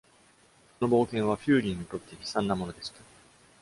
この冒険は「フューリー」にとって悲惨なものでした。